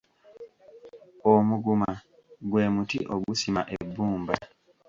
Omuguma gwe muti ogusima ebbumba.